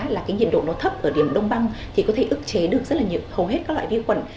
là cái nhiệt độ nó thấp ở điểm đông băng thì có thể ức chế được rất là hầu hết các loại vi khuẩn